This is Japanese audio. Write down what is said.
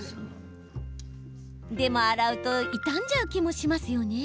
でも、洗うと傷んじゃう気もしますよね。